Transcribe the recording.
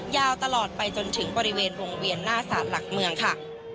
ยาวตลอดไปจนถึงบริเวณวงเวียนหน้าศาลหลักเมืองค่ะ